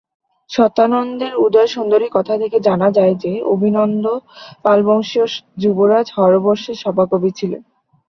শতানন্দের উদয়সুন্দরীকথা থেকে জানা যায় যে, অভিনন্দ পালবংশীয় যুবরাজ হরবর্ষের সভাকবি ছিলেন।